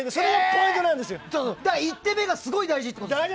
１手目が大事ってこと。